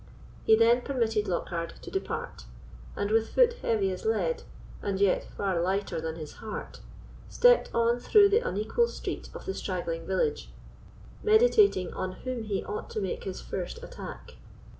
He then permitted Lockhard to depart; and with foot heavy as lead, and yet far lighter than his heart, stepped on through the unequal street of the straggling village, meditating on whom he ought to make his first attack.